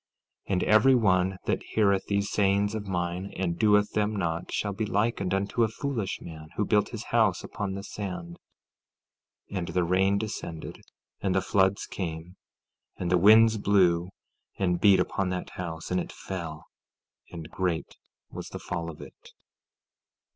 14:26 And every one that heareth these sayings of mine and doeth them not shall be likened unto a foolish man, who built his house upon the sand— 14:27 And the rain descended, and the floods came, and the winds blew, and beat upon that house; and it fell, and great was the fall of it.